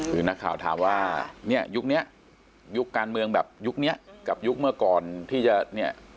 คือนักข่าวถามว่าเนี่ยยุคนี้ยุคการเมืองแบบยุคนี้กับยุคเมื่อก่อนที่จะเนี่ย